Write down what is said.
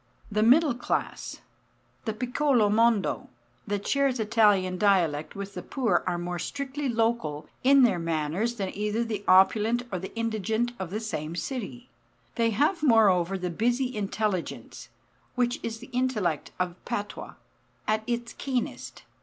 The middle class the piccolo mondo hat shares Italian dialect with the poor are more strictly local in their manners than either the opulent or the indigent of the same city. They have moreover the busy intelligence (which is the intellect of patois) at its keenest.